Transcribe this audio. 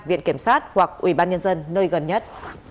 viện kiểm sát hoặc ủy ban nhân dân nơi gần nhất